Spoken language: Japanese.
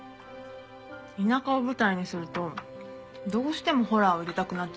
田舎を舞台にするとどうしてもホラーを入れたくなっちゃうんです。